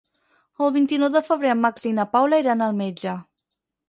El vint-i-nou de febrer en Max i na Paula iran al metge.